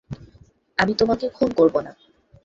আমি তোমাকে খুন করবোনা।